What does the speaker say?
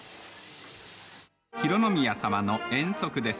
浩宮さまの遠足です。